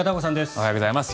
おはようございます。